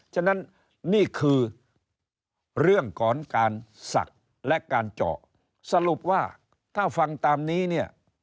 ฉะนั้นนี่คือเรื่องของการศักดิ์และการเจาะสรุปว่าถ้าฟังตามนี้เนี่ย